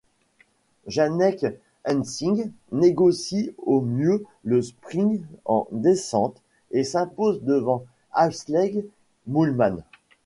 Janneke Ensing négocie au mieux le sprint en descente et s'impose devant Ashleigh Moolman.